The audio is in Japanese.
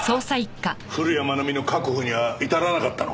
古谷愛美の確保には至らなかったのか。